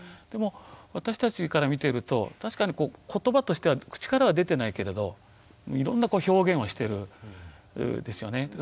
でも私たちから見てると確かにことばとしては口からは出てないけれどいろんな表現をしてるんですよね。